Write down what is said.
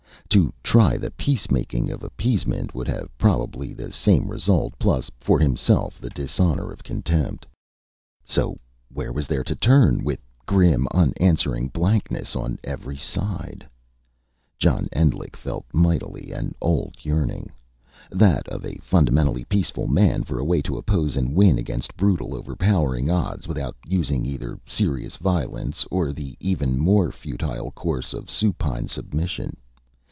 To try the peacemaking of appeasement, would have probably the same result plus, for himself, the dishonor of contempt. So, where was there to turn, with grim, unanswering blankness on every side? John Endlich felt mightily an old yearning that of a fundamentally peaceful man for a way to oppose and win against brutal, overpowering odds without using either serious violence or the even more futile course of supine submission.